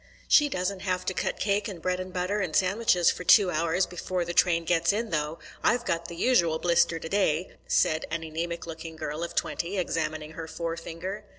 "She doesn't have to cut cake and bread and butter and sandwiches for two hours before the train gets in, though. I've got the usual blister today," said an anaemic looking girl of twenty, examining her forefinger.